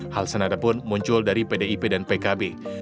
hal senada pun muncul dari pdip dan pkb